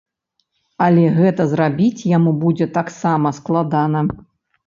Але гэта зрабіць яму будзе таксама складана.